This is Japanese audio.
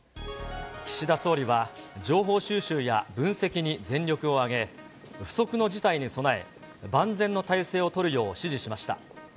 岸田総理は、情報収集や分析に全力を挙げ、不測の事態に備え、万全の態勢を取るよう指示しました。